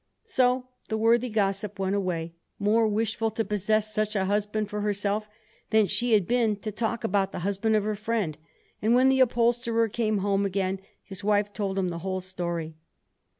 So the worthy gossip went away, more wishful to possess such a husband for herself than she had been to talk about the husband of her friend; and when the upholsterer came home again his wife told him the whole story.